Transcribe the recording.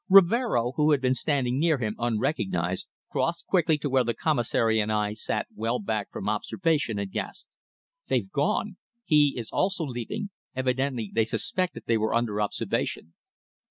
Rivero, who had been standing near him unrecognized, crossed quickly to where with the Commissary I sat well back from observation, and gasped: "They've gone! He is also leaving! Evidently they suspected they were under observation!"